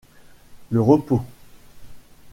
Le repos...